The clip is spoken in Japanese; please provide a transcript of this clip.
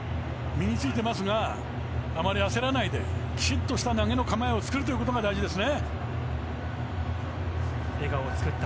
身についてますがあまり焦らないできちっとした投げの構えを作ることが大事ですね。